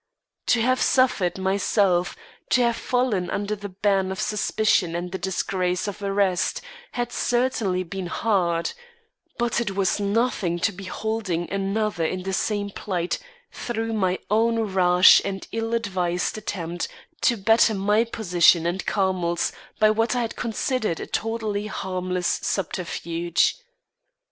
To have suffered, myself, to have fallen under the ban of suspicion and the disgrace of arrest had certainly been hard; but it was nothing to beholding another in the same plight through my own rash and ill advised attempt to better my position and Carmel's by what I had considered a totally harmless subterfuge.